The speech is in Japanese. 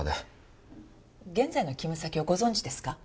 現在の勤務先をご存じですか？